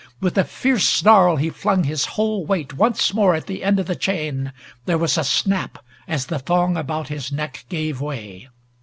With a fierce snarl he flung his whole weight once more at the end of the chain. There was a snap, as the thong about his neck gave way.